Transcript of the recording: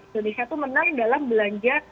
indonesia itu menang dalam belanja